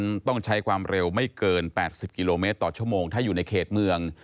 ต้องใช้ความเร็วไม่เกิน๘๐กิโลเมตรต่อชั่วโมงถ้าอยู่ในเขตเมือง